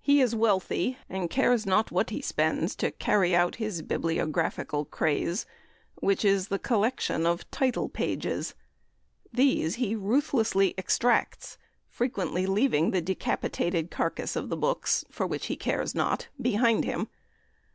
He is wealthy, and cares not what he spends to carry out his bibliographical craze, which is the collection of title pages. These he ruthlessly extracts, frequently leaving the decapitated carcase of the books, for which he cares not, behind him.